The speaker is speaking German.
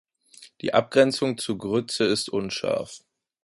Die Abgrenzung zu Grütze ist unscharf.